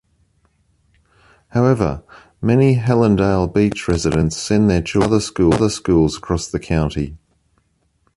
However, many Hallandale Beach residents send their children to other schools across the county.